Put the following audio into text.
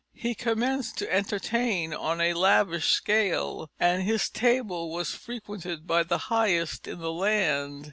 He commenced to entertain on a lavish scale, and his table was frequented by the highest in the land.